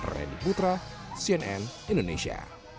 randy putra cnn indonesia